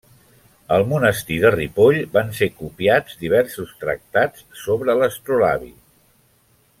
Al monestir de Ripoll van ser copiats diversos tractats sobre l’astrolabi.